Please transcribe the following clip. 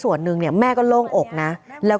ก็เป็นสถานที่ตั้งมาเพลงกุศลศพให้กับน้องหยอดนะคะ